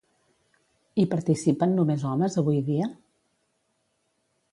Hi participen només homes avui dia?